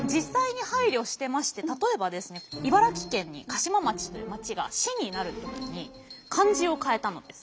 茨城県に鹿島町という町が市になる時に漢字を変えたのです。